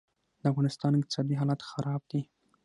دافغانستان اقتصادي حالات خراب دي